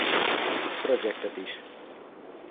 Project-et is.